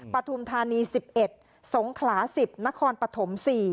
ปฐุมธานี๑๑สงขลา๑๐นครปฐม๔